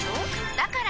だから！